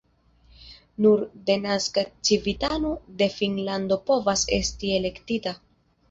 Nur denaska civitano de Finnlando povas esti elektita.